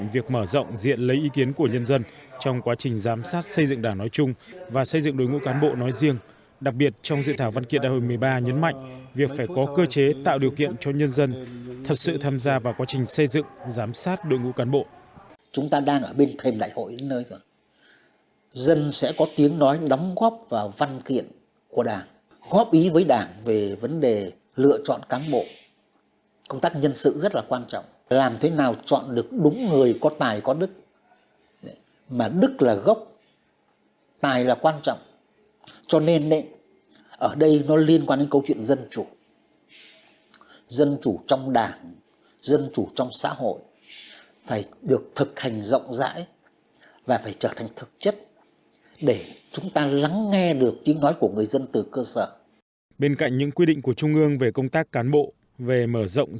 và xây dựng đội ngũ cán bộ nói riêng đặc biệt trong dự thảo văn kiện đại hội một mươi ba nhấn mạnh việc phải có cơ chế tạo điều kiện cho nhân dân thật sự tham gia vào quá trình xây dựng giám sát đội ngũ cán bộ